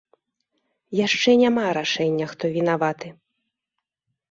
Яшчэ няма рашэння, хто вінаваты.